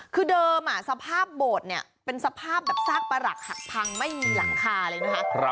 คือเดิมสภาพโบสถ์เนี่ยเป็นสภาพแบบซากประหลักหักพังไม่มีหลังคาเลยนะคะ